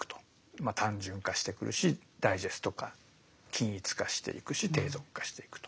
まあ単純化してくるしダイジェスト化均一化していくし低俗化していくと。